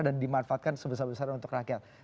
dan dimanfaatkan sebesar besar untuk rakyat